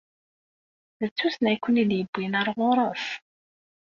D tussna i ken-id-yewwin ar ɣur-s?